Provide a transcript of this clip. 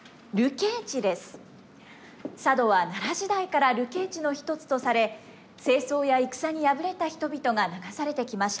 佐渡は奈良時代から流刑地の一つとされ政争や戦に敗れた人々が流されてきました。